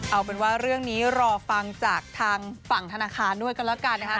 เอาเป็นว่าเรื่องนี้รอฟังจากทางฝั่งธนาคารด้วยกันแล้วกันนะครับ